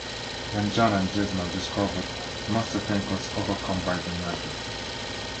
When Jana and Jason are discovered, Master Tenko is overcome by their magic.